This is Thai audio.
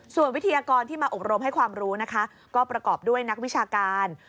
ส่วนวิทยากรที่มาอบรมให้ความรู้นะคะก็ประกอบด้วยนักวิชาการ